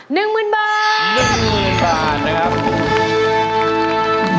หนึ่งหมื่นบาทห้าหมื่นบาทนะครับ